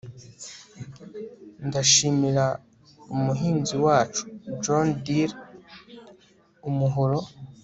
ndashimira umuhinzi wacu john deere umuhoro